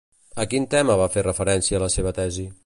A quin tema va fer referència la seva tesi?